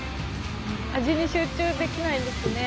味に集中できないですね。